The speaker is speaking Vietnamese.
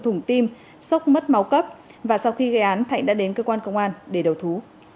thùng tim sốc mất máu cấp và sau khi gây án thạnh đã đến cơ quan công an để đầu thú